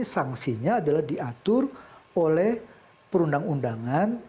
sanksinya adalah diatur oleh perundang undangan